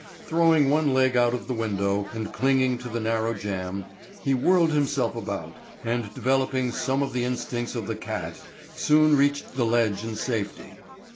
Throwing one leg out of the window and clinging to the narrow jamb, he whirled himself about, and developing some of the instincts of the cat, soon reached the ledge in safety.